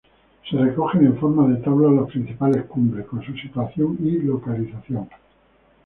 Se recogen en forma de tabla las principales cumbres, con su situación y localización.